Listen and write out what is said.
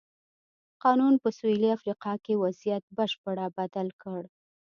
قانون په سوېلي افریقا کې وضعیت بشپړه بدل کړ.